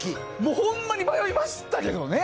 ほんまに迷いましたけどね。